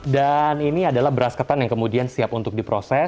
dan ini adalah beras ketan yang kemudian siap untuk diproses